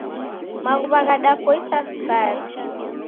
Maghuw'a ghadapoisa sukari.